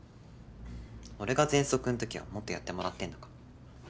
俺がぜんそくのときはもっとやってもらってんだから。